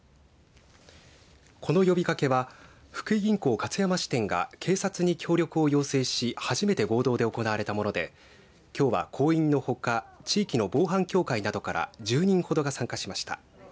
この呼びかけは福井銀行勝山支店が警察に協力を要請し初めて合同で行われたものできょうは行員のほか地域の防犯協会などから１０人ほどが参加しました。